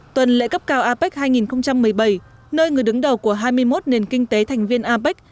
tuần lễ cấp cao apec hai nghìn một mươi bảy nơi người đứng đầu của hai mươi một nền kinh tế thành viên apec